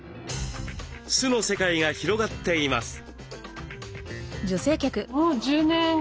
酢の世界が広がっています。